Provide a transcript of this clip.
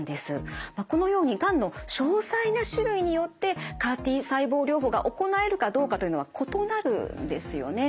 このようにがんの詳細な種類によってＣＡＲ−Ｔ細胞療法が行えるかどうかというのは異なるんですよね。